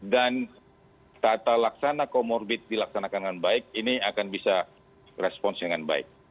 dan tata laksana comorbid dilaksanakan dengan baik ini akan bisa respons dengan baik